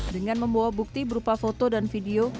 dengan membawa bukti berupa foto dan video